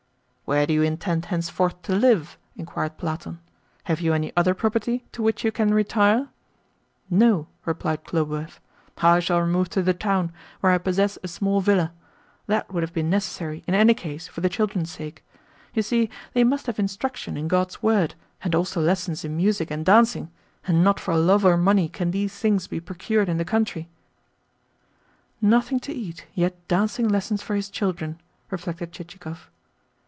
"Where do you intend henceforth to live?" inquired Platon. "Have you any other property to which you can retire?" "No," replied Khlobuev. "I shall remove to the town, where I possess a small villa. That would have been necessary, in any case, for the children's sake. You see, they must have instruction in God's word, and also lessons in music and dancing; and not for love or money can these things be procured in the country. "Nothing to eat, yet dancing lessons for his children!" reflected Chichikov.